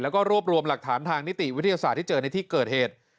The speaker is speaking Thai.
แล้วก็รวบรวมหลักฐานทางนิติวิทยาศาสตร์ที่เจอในที่เกิดเหตุ